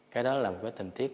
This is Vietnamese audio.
cái đó là một cái tình tiết